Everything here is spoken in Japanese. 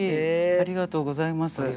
ありがとうございます。